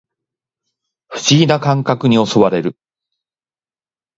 不思議な感覚に襲われる